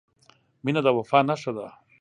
• مینه د وفا نښه ده.